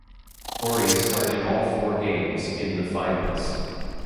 Horry started all four games in the Finals.